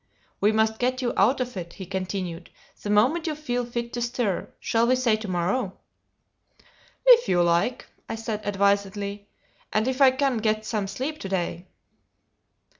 "We must get you out of it," he continued, "the moment you feel fit to stir. Shall we say to morrow?" "If you like," I said, advisedly; "and if I can get some sleep to day."